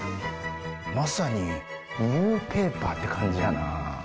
まさにニューペーパーって感じやなぁ。